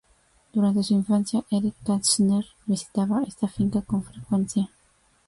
Durante su infancia, Erich Kästner visitaba esta finca con frecuencia.